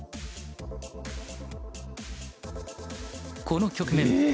この局面